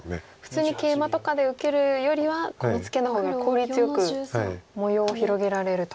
普通にケイマとかで受けるよりはこのツケの方が効率よく模様を広げられると。